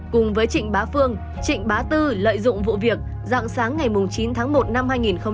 cùng với trịnh bá phương trịnh bá tư lợi dụng vụ việc dạng sáng ngày chín tháng một năm hai nghìn hai mươi